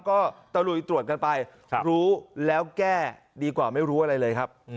ก็ตะลุยตรวจกันไปรู้แล้วแก้ดีกว่าไม่รู้อะไรเลยครับ